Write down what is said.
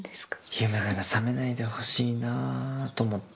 夢ならさめないでほしいなぁと思って。